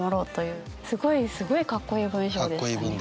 すごいすごいかっこいい文章でしたね。